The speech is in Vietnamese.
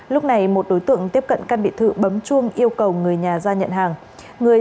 lúc này một đối tượng tiếp cận căn biệt thự bấm chuông yêu cầu người nhà ra nhận hàng